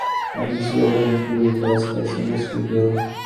In this role he introduced the Space Industry Bill.